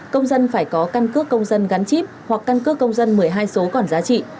công dân phải có căn cước công dân gắn chip hoặc căn cước công dân một mươi hai số còn giá trị